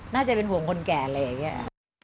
น่าจะเป็นห่วงคนแก่อะไรอย่างนี้